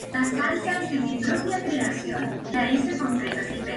yo dudaría